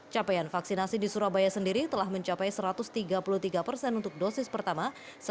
capaian vaksinasi di surabaya sendiri telah mencapai satu ratus tiga puluh tiga persen untuk dosis pertama